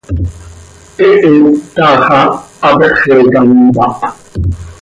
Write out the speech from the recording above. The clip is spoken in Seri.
Hehet taax ah hapéxeca mpáh.